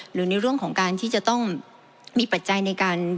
หรือในเรื่องของการที่จะต้องมีปัจจัยในการ